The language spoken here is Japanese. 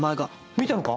見たのか？